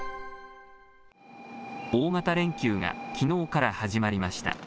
大型連休がきのうから始まりました。